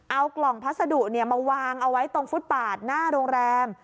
เอากล่องพัสดุมาวางเอาไว้ตรงฟุตปาดหน้าโรงแรม